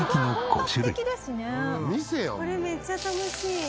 これめっちゃ楽しい。